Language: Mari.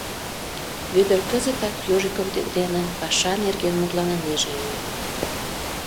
Вӧдыр кызытак Ежиков дене паша нерген мутланынеже ыле.